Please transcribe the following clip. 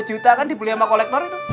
rp sepuluh juta kan dibeli sama kolektor itu